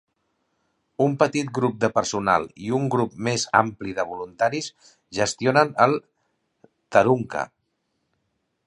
Un petit grup de personal i un grup més ampli de voluntaris gestionen el "Tharunka".